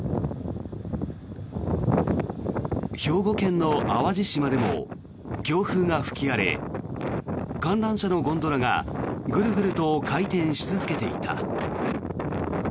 兵庫県の淡路島でも強風が吹き荒れ観覧車のゴンドラがグルグルと回転し続けていた。